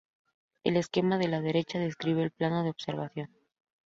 El esquema a la derecha describe el plano de observación.